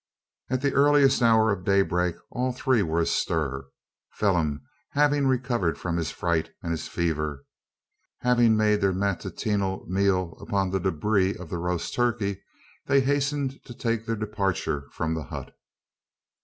At the earliest hour of daybreak all three were astir Phelim having recovered both from his fright and his fever. Having made their matutinal meal upon the debris of the roast turkey, they hastened to take their departure from the hut.